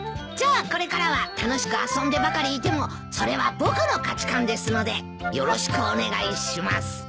じゃあこれからは楽しく遊んでばかりいてもそれは僕の価値観ですのでよろしくお願いします。